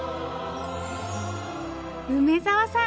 梅沢さん